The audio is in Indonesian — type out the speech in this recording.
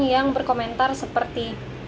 yang berkomentar seperti